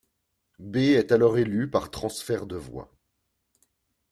B est alors élu par transfert de voix.